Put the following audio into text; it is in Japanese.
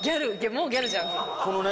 もうギャルじゃんこのね